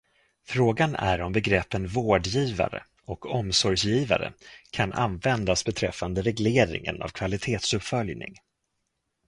Frågan är om begreppen vårdgivare och omsorgsgivare kan användas beträffande regleringen av kvalitetsuppföljning.